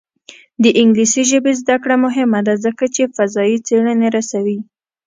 د انګلیسي ژبې زده کړه مهمه ده ځکه چې فضايي څېړنې رسوي.